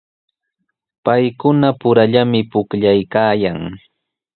Paykunapurallami pukllaykaayan.